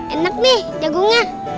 enak nih jagungnya